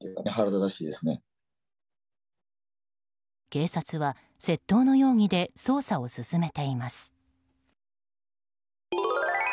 警察は窃盗の容疑で捜査を進めています。